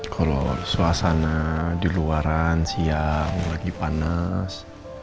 kalau suasana di luaran siang lagi panas